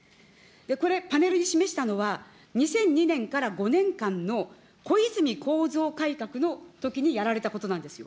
これ、パネルに示したのは、２００２年から５年間の小泉構造改革のときにやられたことなんですよ。